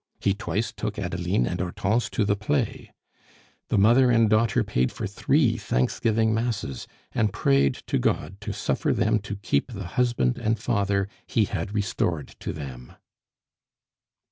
He twice took Adeline and Hortense to the play. The mother and daughter paid for three thanksgiving masses, and prayed to God to suffer them to keep the husband and father He had restored to them.